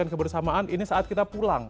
dan kebersamaan ini saat kita pulang